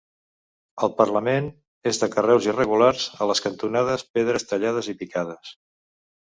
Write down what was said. El parament és de carreus irregulars, a les cantonades, pedres tallades i picades.